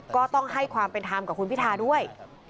ก็ต้องให้ความเป็นธรรมกับคุณพิทาด้วย